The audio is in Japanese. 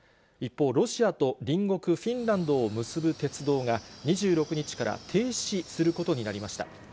一方、ロシアと隣国フィンランドを結ぶ鉄道が、２６日から停止することになりました。